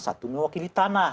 satu mewakili tanah